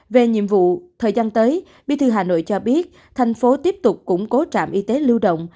về nhiệm vụ thời gian tới bí thư hà nội cho biết thành phố tiếp tục củng cố trạm y tế lưu động